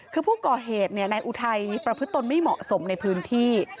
คือผู้ก่อเหตุนายอุทัยประพฤตนไม่เหมาะสมในพื้นที่